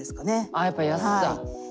あやっぱ「やすさ」。